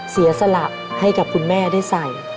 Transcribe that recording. เสียสละให้กับคุณแม่ได้ใส่